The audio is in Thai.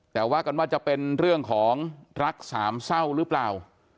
แต่ว่ากันว่าจะเป็นเรื่องของรักสามเศร้าหรือเปล่า